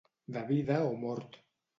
De vida o mort.